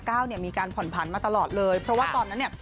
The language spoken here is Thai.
เจ้ามีการผ่อนผันมาตลอดเพราะว่าตอนนั้น